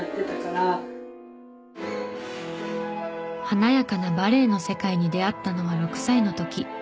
華やかなバレエの世界に出会ったのは６歳の時。